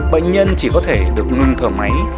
bệnh nhân chỉ có thể được ngừng thở máy